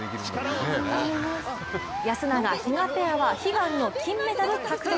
安永・比嘉ペアは悲願の金メダル獲得。